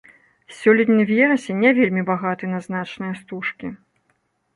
Сёлетні верасень не вельмі багаты на значныя стужкі.